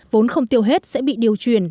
vốn không tiêu hết sẽ bị điều chuyển